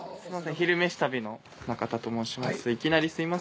「昼めし旅」の中田と申します。